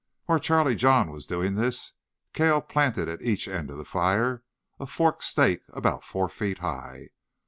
While Charlie John was doing this, Cale planted at each end of the fire a forked stake about four feet high.